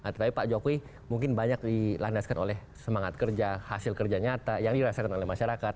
tapi pak jokowi mungkin banyak dilandaskan oleh semangat kerja hasil kerja nyata yang dirasakan oleh masyarakat